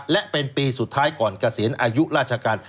และเป็นปีสุดท้ายก่อนเกษียณอายุราชการ